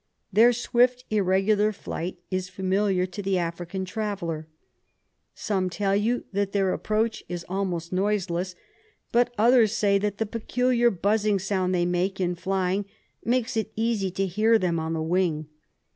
Their swift, irregular flight is familiar to the African traveller. Some tell you that their approach is almost noiseless, but others say that the pecuHar buzzing sound they make, in flying, makes it easy to hear them on the wing.